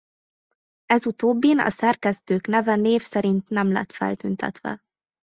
Ez utóbbin a szerkesztők neve név szerint nem lett feltüntetve.